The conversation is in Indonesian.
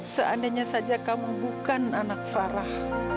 seandainya saja kamu bukan anak farah